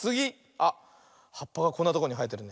あっはっぱがこんなとこにはえてるね。